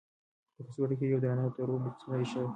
په کڅوړه کې یې یوه درنه او توره مجسمه ایښې وه.